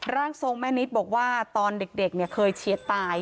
ร่างทรงแม่นิดบอกว่าตอนเด็กเคยเชียดตาย